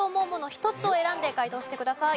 １つを選んで解答してください。